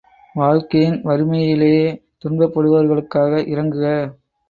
வாழ்க்கையின் வறுமையிலே துன்பப்படுவோர்களுக்காக இரங்குக!